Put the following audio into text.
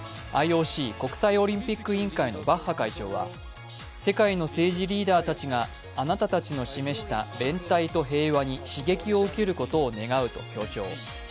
ＩＯＣ＝国際オリンピック委員会のバッハ会長は世界の政治リーダーたちがあなたたちの示した連帯と平和に刺激を受けることを願うと強調。